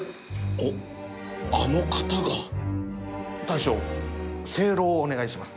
おっあの方が大将せいろをお願いします。